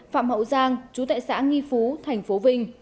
phạm hậu giang trú tại xã nghi phú tp vinh